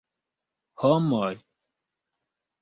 Homoj!